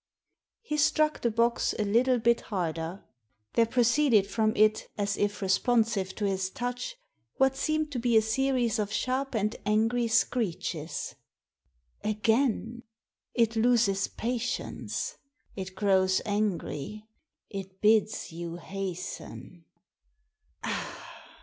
He struck the box a little bit harder. There proceeded from it, as. if responsive to his touch, what seemed to be a series of sharp and angry screeches. "Again! It loses patience. It grows angry. It bids you hasten.